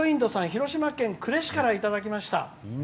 広島県呉市からいただきました。